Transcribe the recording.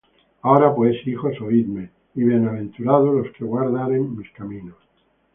Ahora pues, hijos, oidme: Y bienaventurados los que guardaren mis caminos.